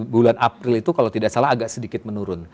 bulan april itu kalau tidak salah agak sedikit menurun